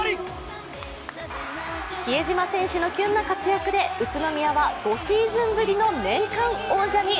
比江島選手のキュンな活躍で宇都宮は５シーズンぶりの年間王者に。